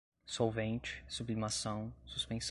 solvente, sublimação, suspensão